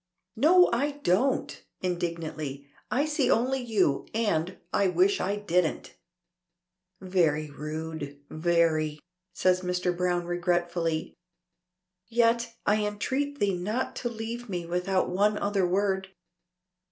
"No I don't," indignantly. "I see only you and I wish I didn't." "Very rude; very!" says Mr. Browne, regretfully. "Yet I entreat thee not to leave me without one other word.